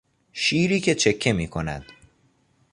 شیری که چکه میکند.